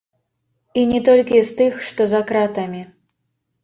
І не толькі з тых, што за кратамі.